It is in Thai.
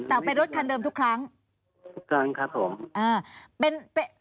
แต่ว่าเป็นรถคันเดิมทุกครั้งทุกครั้งครับผม